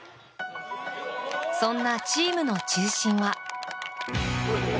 そんなチームの中心は。